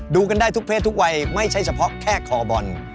ดูกันได้ทุกเพศทุกวัยไม่ใช่เฉพาะแค่คอบอล